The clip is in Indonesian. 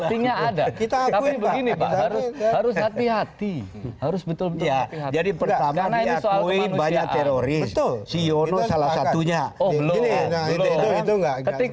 ini sudah cari panggung